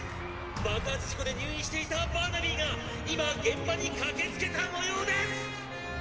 爆発事故で入院していたバーナビーが今現場に駆けつけたもようです！！」